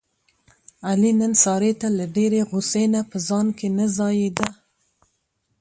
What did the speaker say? علي نن سارې ته له ډېرې غوسې نه په ځان کې نه ځایېدا.